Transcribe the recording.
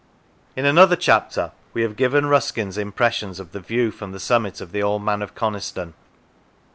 In another chapter we have given Ruskin's im pressions of the view from the summit of the Old Man of Coniston.